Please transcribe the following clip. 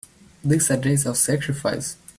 These are days of sacrifice!